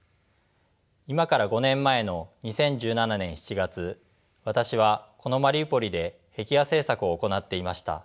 今から５年前の２０１７年７月私はこのマリウポリで壁画制作を行っていました。